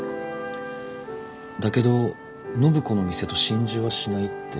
だけど暢子の店と心中はしないって。